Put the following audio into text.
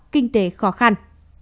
kinh tế khó khăn